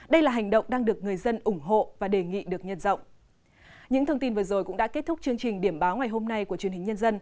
đây là hành động đang được người dân ủng hộ và đề nghị được nhân rộng